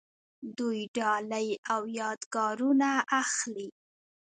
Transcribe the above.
دوی ډالۍ او یادګارونه اخلي.